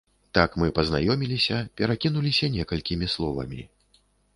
Так мы пазнаёміліся, перакінуліся некалькімі словамі.